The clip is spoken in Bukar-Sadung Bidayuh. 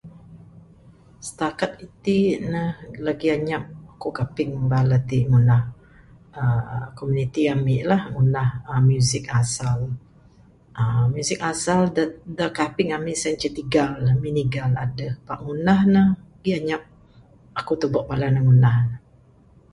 Sitakat iti ne lagih anyap ku kaping bala ti ngunah uhh komuniti ami lah ngunah music asal. Music asal da kaping Ami sien ce tigal minigal adeh ngunah ne lagih anyap ku tubek bala ne ngunah ne.